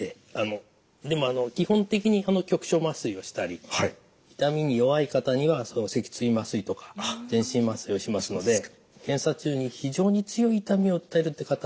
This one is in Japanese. でもあの基本的に局所麻酔をしたり痛みに弱い方には脊椎麻酔とか全身麻酔をしますので検査中に非常に強い痛みを訴えるって方は少ないです。